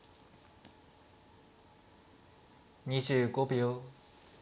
２５秒。